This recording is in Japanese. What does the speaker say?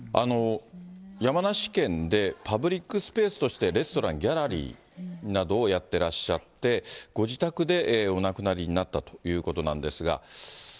山梨県でパブリックスペースとしてレストラン、ギャラリーなどをやってらっしゃって、ご自宅でお亡くなりになったということなんですが。